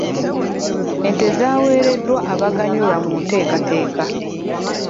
Ente zaaweereddwa abaganyulwa mu nteekateeka.